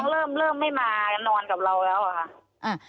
ที่น้องเริ่มไม่มานอนกับเราแล้วค่ะ